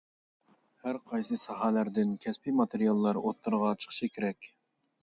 ھەر قايسى ساھەلەردىن كەسپىي ماتېرىياللار ئوتتۇرىغا چىقىشى كېرەك.